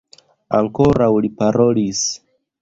Ankoraŭ li parolis.